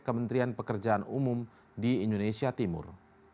kementerian pekerjaan umum di indonesia timur